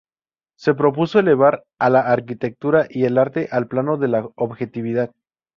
Se propuso elevar a la arquitectura y el arte al plano de la objetividad.